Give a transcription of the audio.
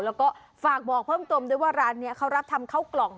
แล้วก็ฝากบอกเพิ่มเติมด้วยว่าร้านนี้เขารับทำเข้ากล่อง